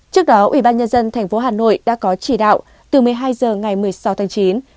trước đó ủy ban nhân dân thành phố hà nội đã có chỉ đạo từ một mươi hai h ngày một mươi sáu tháng chín